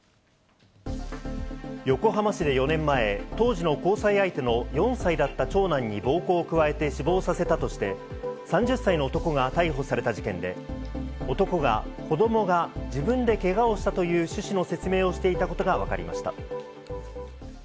横浜市で４年前、当時の交際相手の４歳だった長男に暴行を加えて死亡させたとして、３０歳の男が逮捕された事件で、男が、子供が自分でけがをしたという趣旨の説明をしていたことがわかりました。